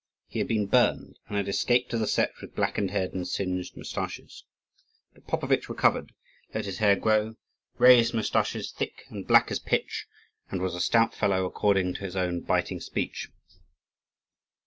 He had been burned, and had escaped to the Setch with blackened head and singed moustaches. But Popovitch recovered, let his hair grow, raised moustaches thick and black as pitch, and was a stout fellow, according to his own biting speech.